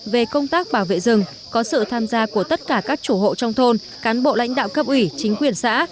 về công tác bảo vệ rừng có sự tham gia của tất cả các chủ hộ trong thôn cán bộ lãnh đạo cấp ủy chính quyền xã